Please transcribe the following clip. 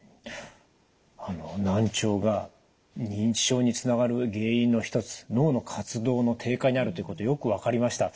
難聴が認知症につながる原因の一つ脳の活動の低下にあるということよく分かりました。